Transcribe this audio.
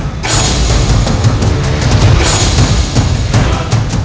kami tidak pernah takut